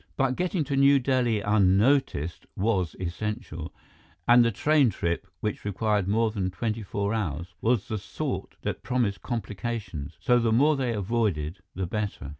But getting to New Delhi unnoticed was essential, and the train trip, which required more than twenty four hours, was the sort that promised complications, so the more they avoided, the better.